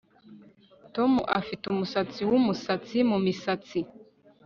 Tom afite umusatsi wumusatsi mumisatsi